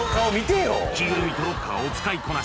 着ぐるみとロッカーを使いこなし